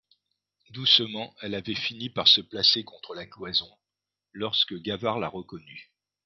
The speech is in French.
Doucement, elle avait fini par se placer contre la cloison, lorsque Gavard la reconnut.